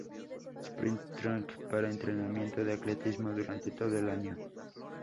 Sprint track para entrenamiento de atletismo durante todo el año.